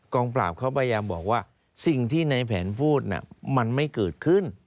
งปราบเขาพยายามบอกว่าสิ่งที่ในแผนพูดมันไม่เกิดขึ้น